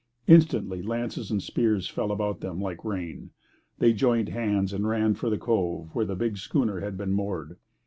Instantly lances and spears fell about them like rain. They joined hands and ran for the cove where the big schooner had been moored.